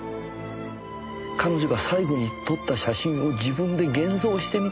彼女が最後に撮った写真を自分で現像してみたんです。